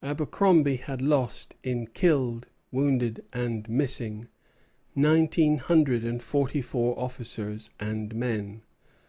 Abercromby had lost in killed, wounded, and missing, nineteen hundred and forty four officers and men.